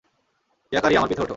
ইয়াকারি, আমার পিঠে ওঠো।